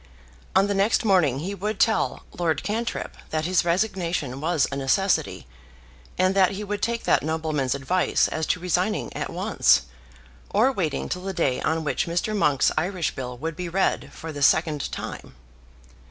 On the next morning he would tell Lord Cantrip that his resignation was a necessity, and that he would take that nobleman's advice as to resigning at once, or waiting till the day on which Mr. Monk's Irish Bill would be read for the second time.